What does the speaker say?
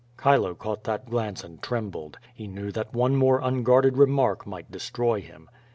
Chilo caught that glance and trembled. He knew thai one more unguarded remark might destroy him.